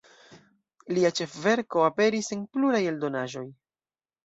Lia ĉefverko aperis en pluraj eldonaĵoj.